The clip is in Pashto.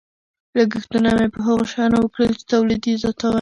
لګښتونه مې په هغو شیانو وکړل چې تولید یې زیاتاوه.